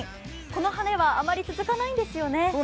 この晴れはあまり続かないんですよね。